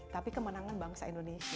tapi kemenangan bangsa indonesia